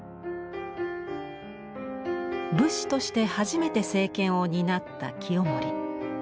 武士として初めて政権を担った清盛。